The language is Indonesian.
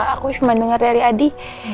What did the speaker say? aku cuma dengar dari adi